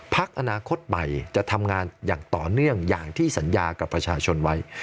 พักอนาคตใหม่จะทำงานอย่างต่อเนื่องอย่างที่สัญญากับประชาชนไว้